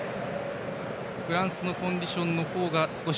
フランスのコンディションが少し。